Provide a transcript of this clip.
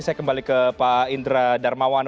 saya kembali ke pak indra darmawan